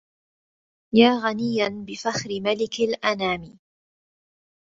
يا غنيا بفخر ملك الأنام